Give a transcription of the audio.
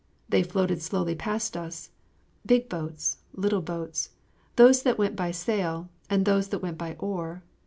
They floated slowly past us big boats, little boats, those that went by sail, and those that went by oar.